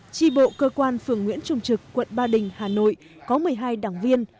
tri bộ cơ quan phường nguyễn trung trực quận ba đình hà nội có một mươi hai đảng viên